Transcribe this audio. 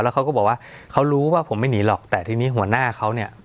เขาก็บอกว่าเขารู้ว่าผมไม่หนีหรอกแต่ทีนี้หัวหน้าเขาเนี่ย